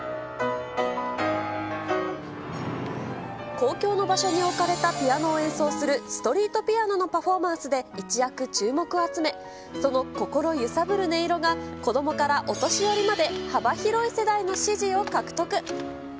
公共の場所に置かれたピアノを演奏するストリートピアノのパフォーマンスで、一躍注目を集め、その心揺さぶる音色が、子どもからお年寄りまで幅広い世代の支持を獲得。